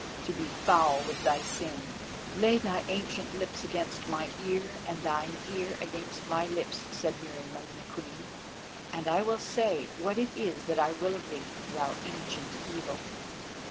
—to be foul with thy sin!" "Lay thy lips against my ear and thine ear against my lips," said Meriamun the Queen, "and I will say what it is that I will of thee, thou Ancient Evil."